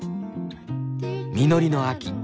実りの秋。